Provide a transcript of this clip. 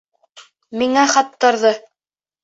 Миңә хаттарҙы...